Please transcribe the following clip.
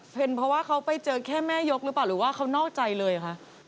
เพราะว่าเขาไปเจอแค่แม่ยกหรือเปล่าหรือว่าเขานอกใจเลยหรือเปล่า